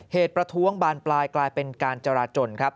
ประท้วงบานปลายกลายเป็นการจราจนครับ